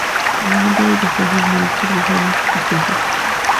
Se alimenta de crustáceos, moluscos, gusanos y peces.